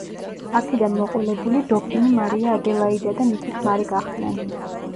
აქედან მოყოლებული დოფინი მარია ადელაიდა და მისი ქმარი გახდნენ.